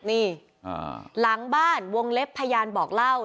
นี่หลังบ้านวงเล็บพยานบอกเล่า